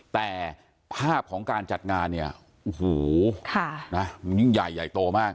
แต่ภาพของการจัดงานเนี่ยโอ้โหมันยิ่งใหญ่ใหญ่โตมาก